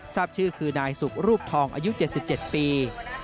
ทราบชื่อคือนายสุรูปทองอายุ๗๗ปี